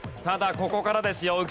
ただここからですよ。